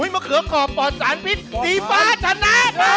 มะเขือขอบปลอดภัทรผิดดีฟ้าชนะ